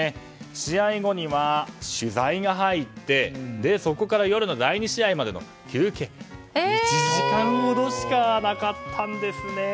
試合後には取材が入ってそこから夜の第２試合までの休憩時間は１時間ほどしかなかったんですね。